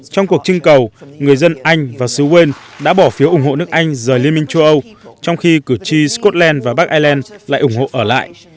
trong cuộc trưng cầu người dân anh và sứ quên đã bỏ phiếu ủng hộ nước anh rời liên minh châu âu trong khi cử tri scotland và bắc ireland lại ủng hộ ở lại